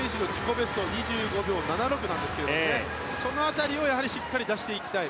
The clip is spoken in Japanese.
ベスト２５秒７６なんですがその辺りをしっかり出していきたい。